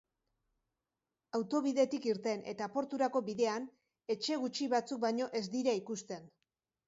Autobidetik irten eta porturako bidean, etxe gutxi batzuk baino ez dira ikusten.